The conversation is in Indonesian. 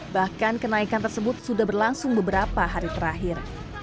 bahkan kenaikan tersebut sudah berlangsung beberapa hari terakhir